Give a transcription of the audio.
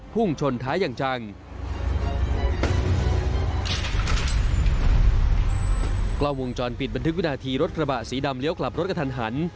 อย่างจังกล้องวงจรปิดบันทึกวินาทีรถกระบะสีดำเลี้ยวกลับรถกระทันหัน